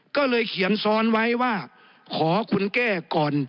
ก็เลยเขียนซ้อนไว้ว่าขอคุณแก้ก่อน